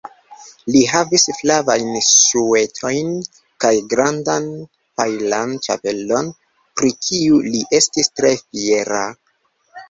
Li havis flavajn ŝuetojn kaj grandan pajlan ĉapelon, pri kiu li estis tre fiera.